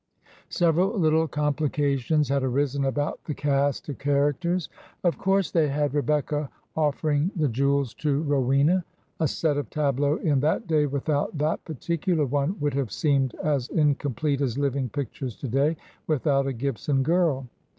Several little complications had arisen about the cast of characters. Of course they had " Rebecca Offering the Jewels to Rowena." A set of tableaux in that day without that particular one would have seemed as incomplete as living pictures to day without a Gibson girl.